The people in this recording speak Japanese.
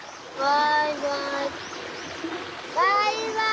バイバーイ！